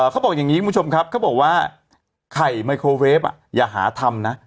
เขาบอกอย่างนี้คุณผู้ชมครับเขาบอกว่าไข่ไมโครเวฟอย่าหาทำนะ